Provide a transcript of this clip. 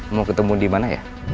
mau ketemu di mana ya